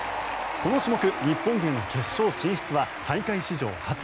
この種目、日本勢の決勝進出は大会史上初。